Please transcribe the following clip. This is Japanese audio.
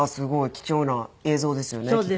貴重な映像ですよねきっと。